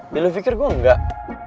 ya lu pikir gue enggak